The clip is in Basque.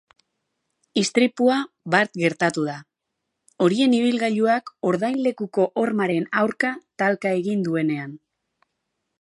Istripua bart gertatu da, horien ibilgailuak ordainlekuko hormaren aurka talka egin duenean.